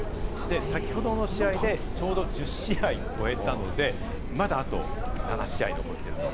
先ほどの試合でちょうど１０試合終えたので、まだあと７試合残っていると。